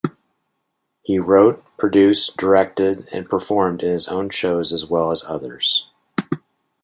He wrote, produced, directed, and performed in his own shows as well as others.